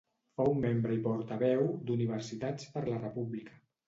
Fou membre i portaveu d'Universitats per la República.